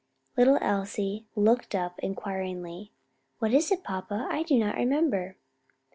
Little Elsie looked up inquiringly. "What is it, papa? I do not remember."